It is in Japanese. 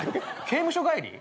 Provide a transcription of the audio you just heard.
刑務所帰り？